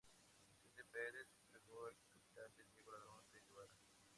Vicente Peris se entregó al capitán Diego Ladrón de Guevara.